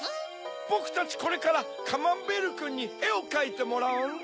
ぼくたちこれからカマンベールくんにえをかいてもらうんだ！